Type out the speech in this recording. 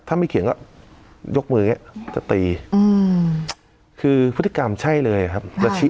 ถ้าไม่เขียนก็ยกมืออย่างนี้จะตีคือพฤติกรรมใช่เลยครับ